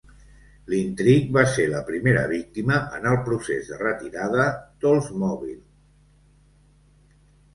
L'Intrigue va ser la primera víctima en el procés de retirada d'Oldsmobile.